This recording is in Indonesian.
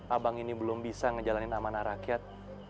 abang ini belum bisa ngejalanin amanah rakyat